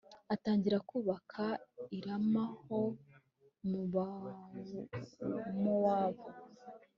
atangira kubaka i rama ho muba mowabu